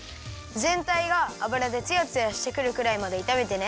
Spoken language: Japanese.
ぜんたいがあぶらでツヤツヤしてくるくらいまでいためてね。